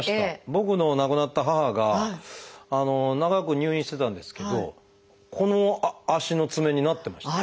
僕の亡くなった母が長く入院してたんですけどこの足の爪になってました。